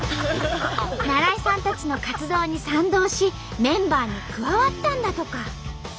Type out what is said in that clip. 那良伊さんたちの活動に賛同しメンバーに加わったんだとか。